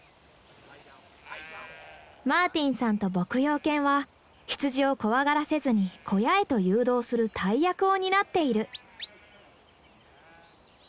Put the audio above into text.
マーティンさんと牧羊犬は羊を怖がらせずに小屋へと誘導する大役を担っている。